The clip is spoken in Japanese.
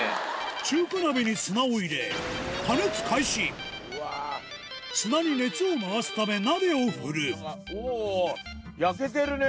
中華鍋に砂を入れ砂に熱を回すため鍋を振るおぉ！